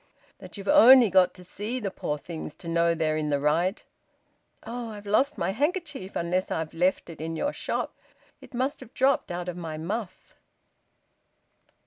"That you've only got to see the poor things to know they're in the right! Oh! I've lost my handkerchief, unless I've left it in your shop. It must have dropped out of my muff."